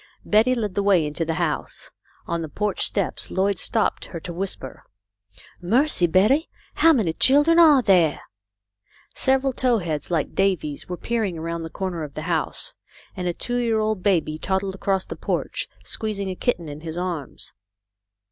Betty led the way into the house. On the porch steps Lloyd stopped her to whisper :" Mercy, Betty ! How many children are there ?" Several tow heads like Davy's were peering around the corner of the house, and a two year old baby toddled across the porch, squeezing a kitten in his arms.